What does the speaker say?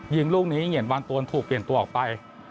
ยิงลูกนี้เหงียนบางตวนถูกเปลี่ยนตัวออกไป